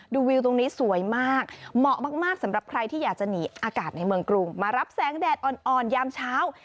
วิวตรงนี้สวยมากเหมาะมากสำหรับใครที่อยากจะหนีอากาศในเมืองกรุงมารับแสงแดดอ่อนยามเช้า